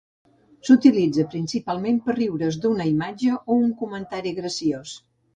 S'utilitza principalment per riure's d'una imatge o un comentari graciós.